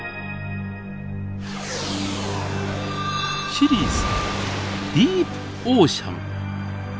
シリーズ「ディープオーシャン」。